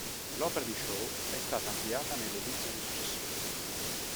L'opera di Shaw è stata ampliata nelle edizioni successive.